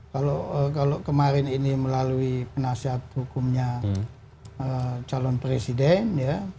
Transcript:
kalau kemarin ini melalui penasihat hukumnya calon presiden ya